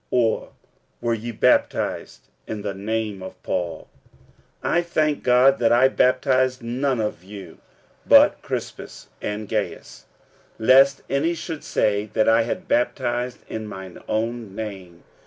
or were ye baptized in the name of Paul? 46:001:014 I thank God that I baptized none of you, but Crispus and Gaius; 46:001:015 Lest any should say that I had baptized in mine own name.